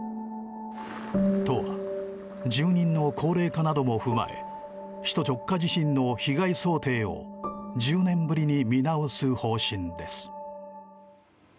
都は、住人の高齢化なども踏まえ首都直下地震の被害想定を１０年ぶりに見直す方針です。